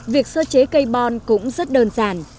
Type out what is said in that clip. việc sơ chế cây bon cũng rất đơn giản